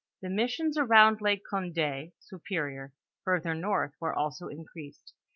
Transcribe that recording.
The m! ions around Lake Cond6 (Superior) further north, were also increased.